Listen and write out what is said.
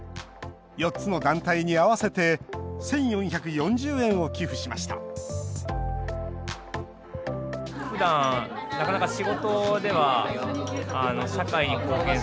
４つの団体に合わせて１４４０円を寄付しました広がる新たな寄付のカタチ。